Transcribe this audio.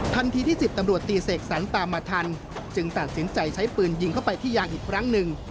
ที่๑๐ตำรวจตีเสกสรรตามมาทันจึงตัดสินใจใช้ปืนยิงเข้าไปที่ยางอีกครั้งหนึ่ง